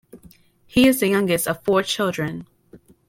He is the youngest of four children.